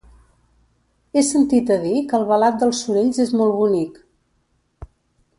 He sentit a dir que Albalat dels Sorells és molt bonic.